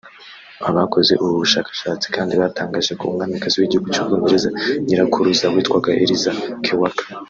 Abakoze ubu bushakashatsi kandi batangaje ko umwamikazi w’Igihugu cy’u Bwongereza nyirakuruza witwaga Eliza Kewark